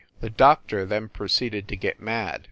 The doctor then proceeded to get mad.